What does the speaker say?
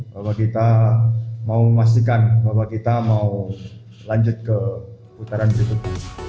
bahwa kita mau memastikan bahwa kita mau lanjut ke putaran berikut